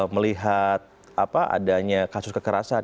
melihat adanya kasus kekerasan